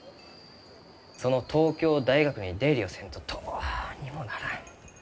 その東京大学に出入りをせんとどうにもならん。